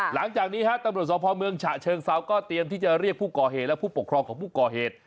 หลังจากนี้ฮะตำรวจสพเมืองฉะเชิงเซาก็เตรียมที่จะเรียกผู้ก่อเหตุและผู้ปกครองของผู้ก่อเหตุ